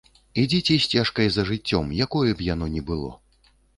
Ідзіце сцежкай за жыццём, якое б яно ні было.